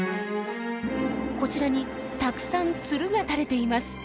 こちらにたくさんつるが垂れています。